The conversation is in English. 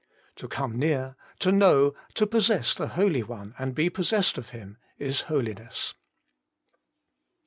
1 To come near, to know, to possess the Holy One, and be possessed of Him, is Holiness.